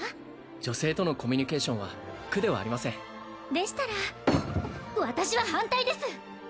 女性とのコミュニケーションは苦ではありませんでしたら私は反対です！